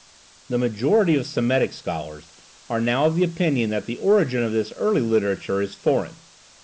The majority of Semitic scholars are now of the opinion that the origin of this early literature is foreign.